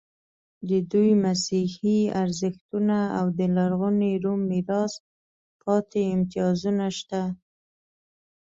د دوی مسیحي ارزښتونه او د لرغوني روم میراث پاتې امتیازونه شته.